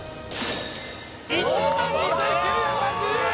１万２９８０円！